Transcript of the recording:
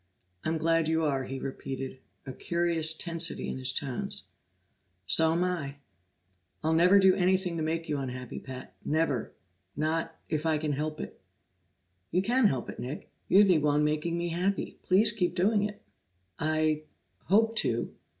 "I'm glad you are," he repeated, a curious tensity in his tones. "So'm I." "I'll never do anything to make you unhappy, Pat never. Not if I can help it." "You can help it, Nick. You're the one making me happy; please keep doing it." "I hope to."